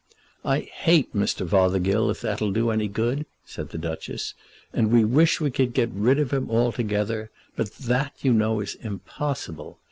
"I hate Mr. Fothergill, if that'll do any good," said the Duchess; "and we wish we could get rid of him altogether. But that, you know, is impossible.